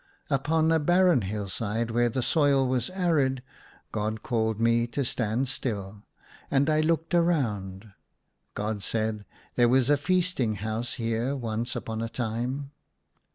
Upon a barren hill side, where the soil was arid, God called me to stand still. And I looked around. God said, " There was a feasting house here once upon a time."